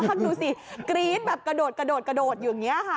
มาดูสิกรี๊ดแบบกระโดดอยู่อย่างนี้ค่ะ